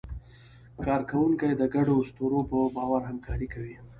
کارکوونکي د ګډو اسطورو په باور همکاري کوي.